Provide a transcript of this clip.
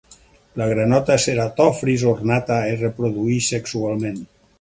La granota ceratophrys ornata es reprodueix sexualment.